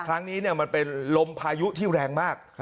ครั้งนี้มันเป็นลมพายุที่แรงมาก